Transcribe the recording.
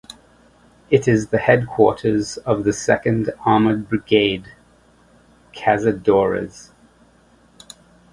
It is the headquarters of the Second Armored Brigade ""Cazadores"".